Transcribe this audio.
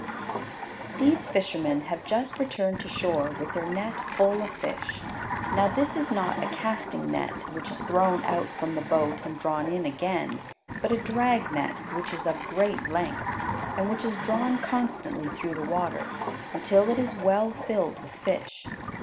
These fishermen have just returned to shore with their net full of fish. Now this is not a casting net, which is thrown out from the boat and drawn in again, but a drag net which is of great length, and which is drawn constantly through the water until it is well filled with fish.